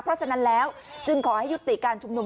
เพราะฉะนั้นแล้วจึงขอให้ยุติการชุมนุม